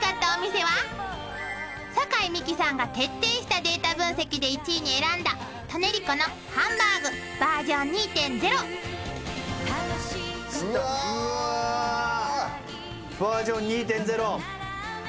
［酒井美紀さんが徹底したデータ分析で１位に選んだトネリコのハンバーグバージョン２．０］うわ！